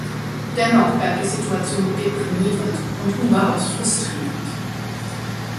Dennoch bleibt die Situation deprimierend und überaus frustrierend.